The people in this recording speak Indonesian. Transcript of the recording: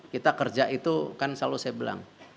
kita kerja itu kan selalu saya bilang